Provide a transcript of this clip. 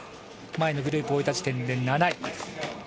前のグループを終えた時点で７位。